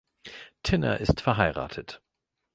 Tinner ist verheiratet.